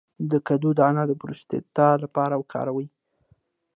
د کدو دانه د پروستات لپاره وکاروئ